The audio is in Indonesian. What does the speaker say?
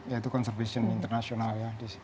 yaitu konservasi internasional ya